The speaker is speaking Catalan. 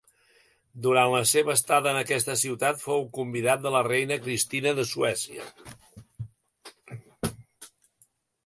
Durant la seva estada en aquesta ciutat fou convidat de la reina Cristina de Suècia.